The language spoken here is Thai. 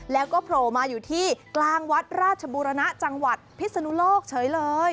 แล้วก็โผล่มาอยู่ที่กลางวัดราชบูรณะจังหวัดพิศนุโลกเฉยเลย